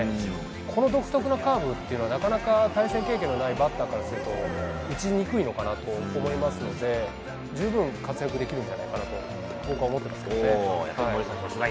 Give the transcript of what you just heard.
この独特のカーブは、なかなか対戦経験のないバッターからすると打ちにくいと思いますので十分活躍できるんじゃないかなと僕は思ってます。